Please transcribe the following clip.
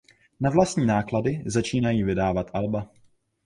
Na vlastní náklady začínají vydávat alba.